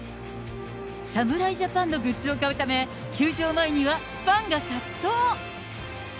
侍ジャパンのグッズを買うため、球場前にはファンが殺到。